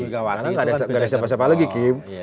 karena nggak ada siapa siapa lagi kim